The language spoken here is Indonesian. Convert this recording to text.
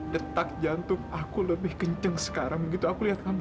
detak jantung aku lebih kenceng sekarang begitu aku liat kamu